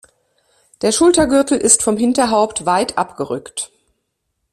Der Schultergürtel ist vom Hinterhaupt weit abgerückt.